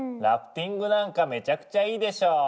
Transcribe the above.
ラフティングなんかめちゃくちゃいいでしょ。